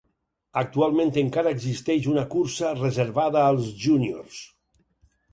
Actualment encara existeix una cursa reservada als júniors.